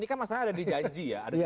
ini kan masalahnya ada di janji ya